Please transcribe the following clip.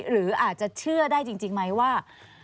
หรืออาจจะเชื่อได้จริงไหมว่า